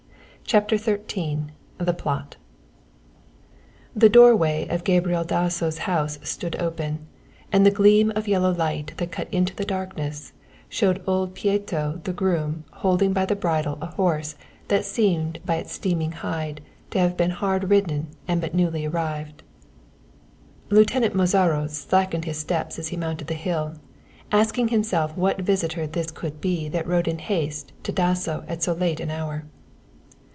CHAPTER XIII THE PLOT The doorway of Gabriel Dasso's house stood open and the gleam of yellow light that cut into the darkness showed old Pieto the groom holding by the bridle a horse that seemed by its steaming hide to have been hard ridden and but newly arrived. Lieutenant Mozaro slackened his steps as he mounted the hill, asking himself what visitor this could be that rode in haste to Dasso at so late an hour.